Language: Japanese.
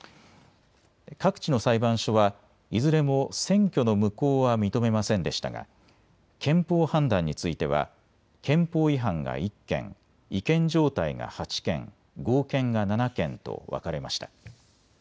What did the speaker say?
各地の裁判所はいずれも選挙の無効は認めませんでしたが憲法判断については憲法違反が１件、違憲状態が８件、合憲が７件と分かれました。